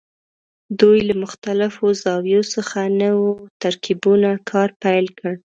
دوی له مختلفو زاویو څخه نوو ترکیبونو کار پیل کړ.